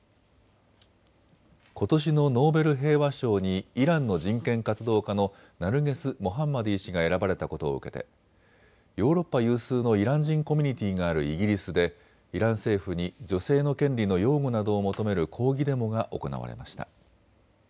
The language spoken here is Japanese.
ことしのノーベル平和賞にイランの人権活動家のナルゲス・モハンマディ氏が選ばれたことを受けてヨーロッパ有数のイラン人コミュニティーがあるイギリスでイラン政府に女性の権利の擁護などを求める抗議デモが行われました。